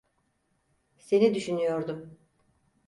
Seni düşünüyordum.